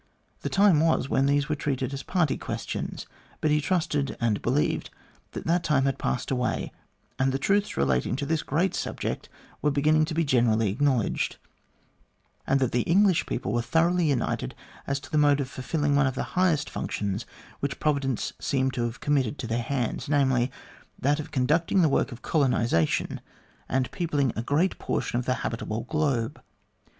The time was when these were treated as party questions, but he trusted and believed that that time had passed away, that the truths relating to this great subject were beginning to be generally acknowledged, and that the English people were thoroughly united as to the mode of fulfilling one of the highest functions which Providence seemed to have committed to their hands, namely, that of conducting the work of colonisation and peopling a great portion of the habitable globe.